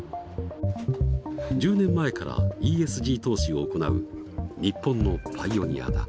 １０年前からＥＳＧ投資を行う日本のパイオニアだ。